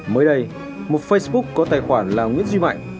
mới đây một facebook có tài khoản là nguyễn duy mạnh